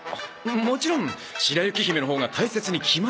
もちろん白雪姫のほうが大切に決まってるだろ。